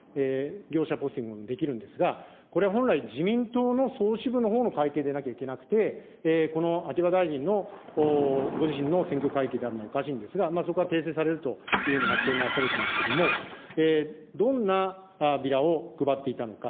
業者ポスティングもできるんですが、これは本来、自民党の総支部のほうの会計でなきゃいけなくて、この秋葉大臣のご自身の選挙であるのおかしいんですが、そこは訂正されるというふうに発表なされてますけども、どんなビラを配っていたのか。